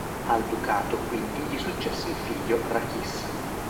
Al ducato quindi gli successe il figlio Rachis.